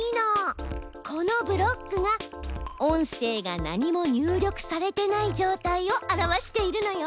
このブロックが音声が何も入力されてない状態を表しているのよ。